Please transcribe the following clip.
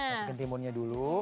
masukin timunnya dulu